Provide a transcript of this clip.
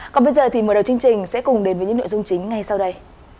còn bây giờ thì mở đầu chương trình sẽ cùng đến với những nội dung chính ngay sau đây